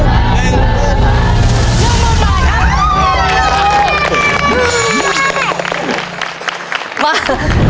เรื่องมือใหม่ครับ